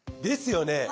ですよね。